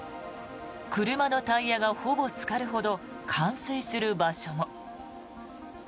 車のタイヤがほぼつかるほど冠水する場所も。